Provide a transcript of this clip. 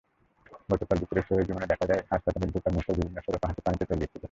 গতকাল দুপুরে সরেজমিনে দেখা যায়, হাসপাতালে ঢোকার মুখের বিভিন্ন সড়কও হাঁটুপানিতে তলিয়ে ছিল।